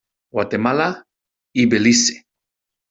Guatemala i Belize.